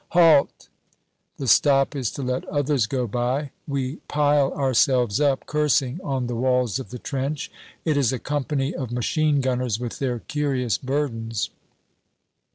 "Halt!" The stop is to let others go by. We pile ourselves up, cursing, on the walls of the trench. It is a company of machine gunners with their curious burdens.